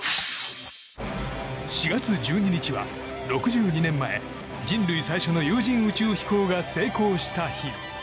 ４月１２日は、６２年前人類最初の有人宇宙飛行が成功した日。